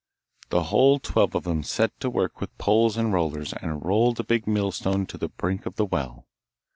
The whole twelve of them set to work with poles and rollers and rolled the big mill stone to the brink of the well.